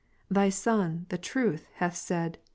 Thy Son, the Truth, hath said.